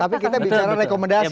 tapi kita bicara rekomendasi